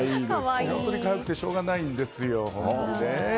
本当に可愛くてしょうがないんですよ。